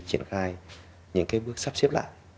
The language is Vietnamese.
triển khai những cái bước sắp xếp lại